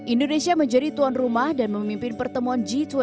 indonesia menjadi tuan rumah dan memimpin pertemuan g dua puluh